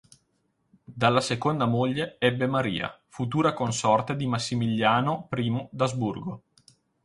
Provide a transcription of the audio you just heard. Dalla seconda moglie ebbe Maria, futura consorte di Massimiliano I d'Asburgo.